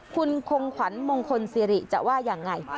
คุณคงขวัญมงคลสิริจะว่ายังไง